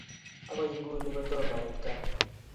Agok nguni kotom ait kaa.